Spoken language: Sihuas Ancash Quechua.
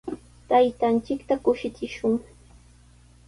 Taytanchikta kushichishun.